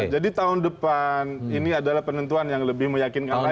jadi tahun depan ini adalah penentuan yang lebih meyakinkan lagi